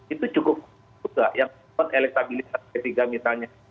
itu cukup juga yang membuat elektabilitas p tiga misalnya